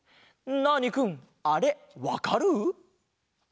ナーニくんあれわかる？